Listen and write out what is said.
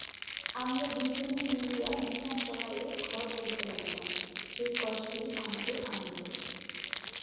আমরা দুই জনে মিলিয়া বিনা সহায়ে ঘর করিতে লাগিলাম, সেই কষ্টেই আমাদের আনন্দ।